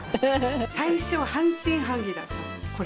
最初半信半疑だったの。